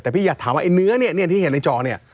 แต่พี่อยากถามว่าไอ้เนื้อเนี่ยที่เห็นในจอเนี่ย